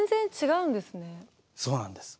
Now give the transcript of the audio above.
そうなんです。